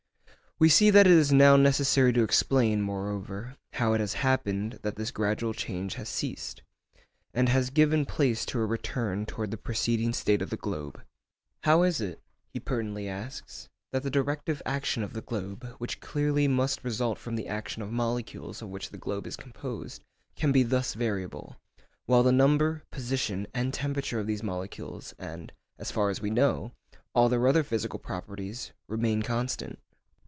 We see that it is now necessary to explain, moreover, how it has happened that this gradual change has ceased, and has given place to a return towards the preceding state of the globe.' 'How is it,' he pertinently asks, 'that the directive action of the globe, which clearly must result from the action of molecules of which the globe is composed, can be thus variable, while the number, position, and temperature of these molecules, and, as far as we know, all their other physical properties, remain constant?